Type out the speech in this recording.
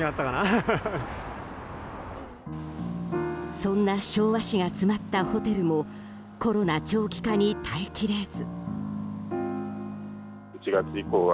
そんな昭和史が詰まったホテルもコロナ長期化に耐え切れず。